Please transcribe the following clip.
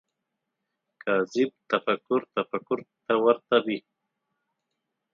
کاذب تفکر تفکر ته ورته وي